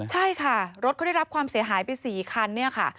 ใช่ค่ะรถเขาได้รับความเสียหายไป๔คันเนี่ยค่ะ